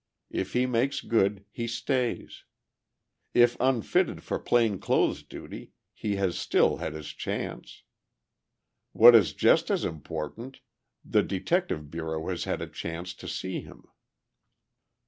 If he makes good, he stays. If unfitted for plain clothes duty, he has still had his chance. What is just as important, the Detective Bureau has had a chance to see him.